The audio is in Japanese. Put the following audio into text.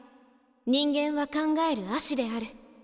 人間は考える葦である。